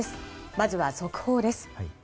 まずは速報です。